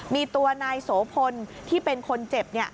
มีตัวนายโสพลที่เป็นคนเจ็บ